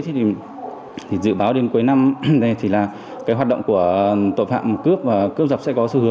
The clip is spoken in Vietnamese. thì dự báo đến cuối năm thì là cái hoạt động của tội phạm cướp và cướp giật tài sản sẽ có sự phát triển